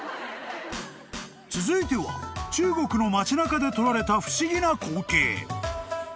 ［続いては中国の町中で撮られた不思議な光景］